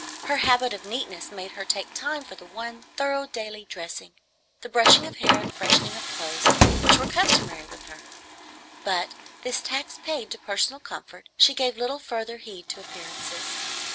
Her habit of neatness made her take time for the one thorough daily dressing, the brushing of hair and freshening of clothes, which were customary with her; but, this tax paid to personal comfort, she gave little further heed to appearances.